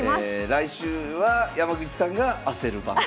来週は山口さんが焦る番と。